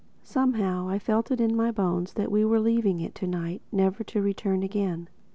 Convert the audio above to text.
Somehow I felt it in my bones that we were leaving it to night never to return again.